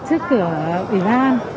trước cửa quỹ ban